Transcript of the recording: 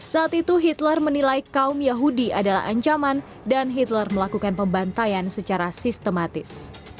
saat itu hitler menilai kaum yahudi adalah ancaman dan hitler melakukan pembantaian secara sistematis